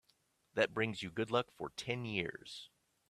That brings you good luck for ten years.